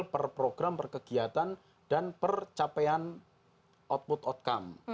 nah ini adalah program perkegiatan dan percapaian output outcome